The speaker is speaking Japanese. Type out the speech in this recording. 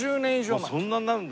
そんなになるんだ。